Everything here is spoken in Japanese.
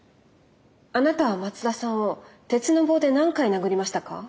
あなたは松田さんを鉄の棒で何回殴りましたか？